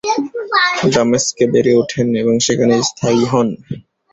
দামেস্কে বেড়ে উঠেন এবং সেখানেই স্থায়ী হন।